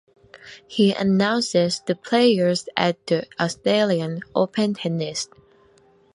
He announces the players at the Australian Open Tennis.